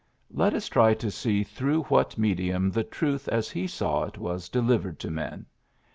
Let us try to see through what medium the truth as he saw it was delivered to men.